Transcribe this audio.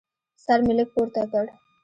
سر مې لږ پورته کړ.